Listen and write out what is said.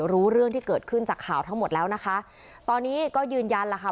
รู้เรื่องที่เกิดขึ้นจากข่าวทั้งหมดแล้วนะคะตอนนี้ก็ยืนยันแล้วค่ะ